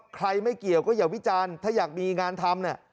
ไม่เกี่ยวก็อย่าวิจารณ์ถ้าอยากมีงานทำเนี่ย